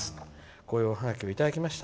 こういうおハガキをいただきました。